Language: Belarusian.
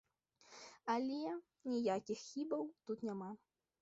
Але ніякіх хібаў тут няма.